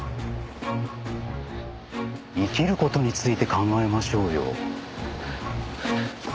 生きる事について考えましょうよ。